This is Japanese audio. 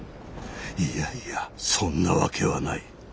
いやいやそんなわけはない。